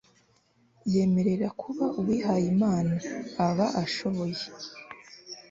yemerera kuba uwihaye imana aba ashobora